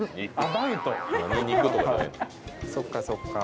そっかそっか。